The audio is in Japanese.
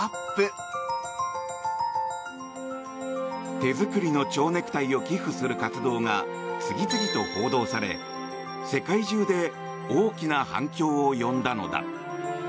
手作りの蝶ネクタイを寄付する活動が次々と報道され世界中で大きな反響を呼んだのだ。